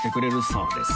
そうです。